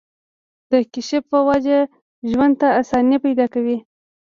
د کشف پۀ وجه ژوند ته اسانۍ پېدا کوي